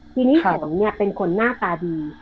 ทีนี้สองเนี่ยเป็นคนหน้าตาดี